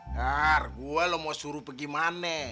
dar gue loh mau suruh pergi mana